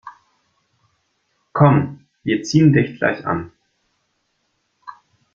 Komm, wir ziehen dich gleich an.